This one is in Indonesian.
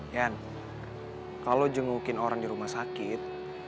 ian kalo jungukin orang di rumah sakit